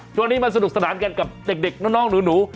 ช่วงนี้มันสนุกสนานกันกับเด็กน้องหนู